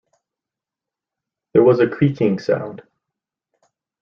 There was a creaking sound.